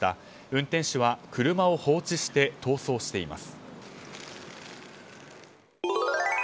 運転手は車を放置して逃走しています。